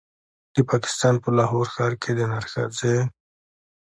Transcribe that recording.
د پاکستان په لاهور ښار کې د نرښځې